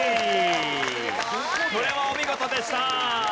これはお見事でした。